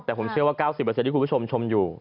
แต่ผมเชื่อว่า๙๐ที่คุณผู้ชมชมอยู่